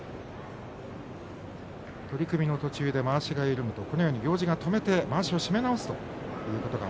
取組の途中でまわしが緩むとこのように行司が止めてまわしを締め直すということが